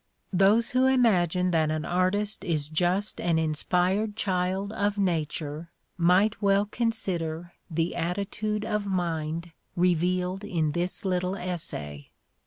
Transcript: Those who imagine that an artist is just an inspired child of nature might well consider the attitude of mind revealed in this little essay.